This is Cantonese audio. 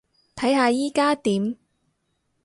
睇下依加點